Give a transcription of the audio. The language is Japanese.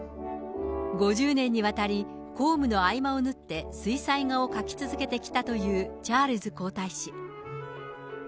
５０年にわたり公務の合間を縫って水彩画を描き続けてきたというチャールズ皇太子。